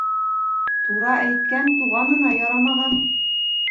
Тура әйткән туғанына ярамаған.